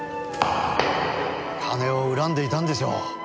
金を恨んでいたんでしょう。